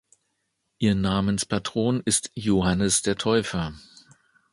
Ihr Namenspatron ist Johannes der Täufer.